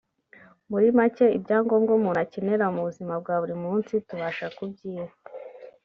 muri macye ibyangombwa umuntu akenera mu buzima bwa buri munsi tubasha kubyiha